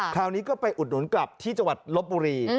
คราวนี้ก็ไปอุดหนุนกลับที่จังหวัดลบบุรี